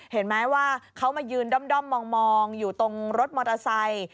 เห็นไหมว่าเขามายืนด้อมมองอยู่ตรงรถมอเตอร์ไซค์